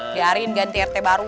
lariin ganti rt baru